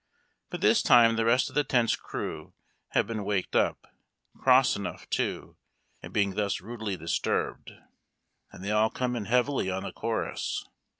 By this time the rest of the tent's crew have been waked up, cross enough, too, at being thus rudely disturbed, and they all come in heavily on the chorus.